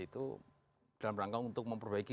itu dalam rangka untuk memperbaiki